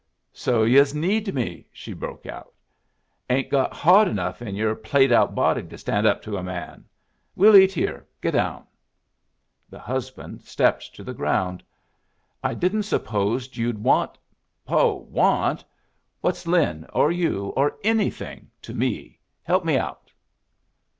"So yus need me!" she broke out. "Ain't got heart enough in yer played out body to stand up to a man. We'll eat here. Get down." The husband stepped to the ground. "I didn't suppose you'd want " "Ho! want? What's Lin, or you, or anything to me? Help me out."